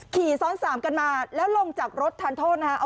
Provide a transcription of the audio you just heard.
ขี่ซ้อนสามกันมาแล้วลงจากรถทานโทษนะฮะ